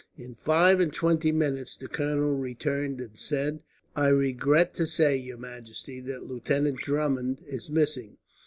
In five and twenty minutes the colonel returned, and said: "I regret to say, your majesty, that Lieutenant Drummond is missing.